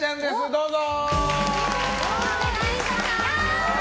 どうぞ！